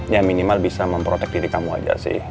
yang minimal bisa memprotect diri kamu aja sih